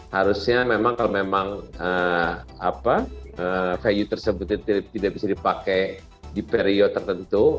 harusnya memang kalau memang value tersebut tidak bisa dipakai di periode tertentu